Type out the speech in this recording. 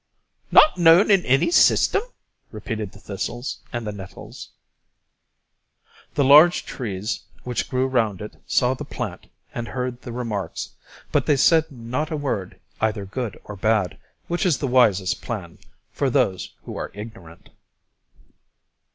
"Not known in any system!" repeated the thistles and the nettles. The large trees which grew round it saw the plant and heard the remarks, but they said not a word either good or bad, which is the wisest plan for those who are ignorant.